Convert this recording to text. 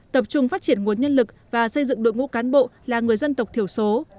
tập trung phát triển nguồn nhân lực và xây dựng đội ngũ cán bộ là người dân tộc thiểu số